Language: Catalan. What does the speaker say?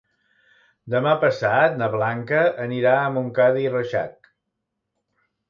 Demà passat na Blanca anirà a Montcada i Reixac.